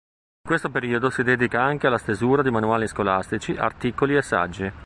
In questo periodo si dedica anche alla stesura di manuali scolastici, articoli e saggi.